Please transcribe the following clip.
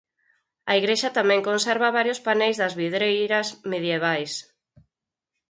A igrexa tamén conserva varios paneis das vidreiras medievais.